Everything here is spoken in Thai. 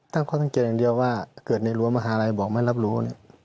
ตั้งข้อสังเกตอย่างเดียวว่าเกิดในรั้วมหาลัยบอกไม่รับรู้